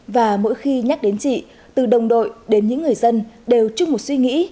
và mỗi khi nhắc đến chị từ đồng đội đến những người dân đều chung một suy nghĩ